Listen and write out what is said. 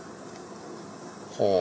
ほう。